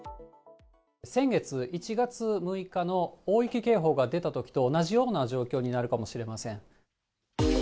先月１月６日の大雪警報が出たときと同じような状況になるかもしれません。